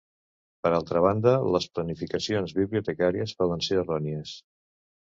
Per altra banda, les planificacions bibliotecàries poden ser errònies.